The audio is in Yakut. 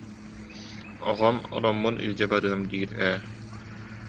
Оҕом ороммун илдьэ барыам диир ээ